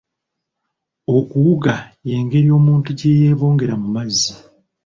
Okuwuga y'engeri omuntu gye yeebongera mu mazzi.